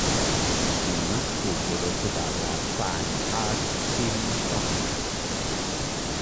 Il film fu prodotto dalla Fine Arts Film Company.